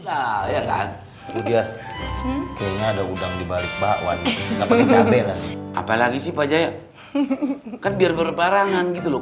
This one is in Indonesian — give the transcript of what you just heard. udah ya kan dia kayaknya ada udang dibalik bakwan apalagi sih pajak kan biar berparangan gitu loh